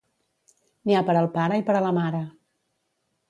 N'hi ha per al pare i per a la mare.